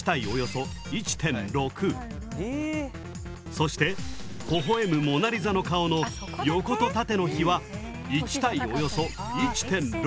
そしてほほ笑むモナ・リザの顔の横と縦の比は１対およそ１．６。